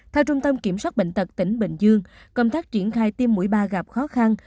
theo trung tâm kiểm soát bệnh tật tỉnh bình dương công tác triển khai tiêm mũi ba gặp khó khăn